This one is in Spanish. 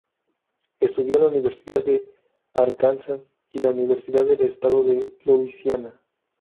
Estudió en la Universidad de Arkansas y la Universidad del Estado de Louisiana.